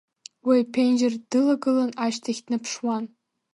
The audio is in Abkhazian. Уи аԥенџьыр дылагылан ашьҭахь днаԥшуан.